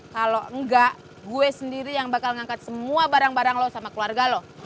kalo enggak gue sendiri yang bakal ngangkat semua barang barang lu sama keluarga lu